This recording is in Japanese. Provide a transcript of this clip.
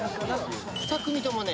２組ともね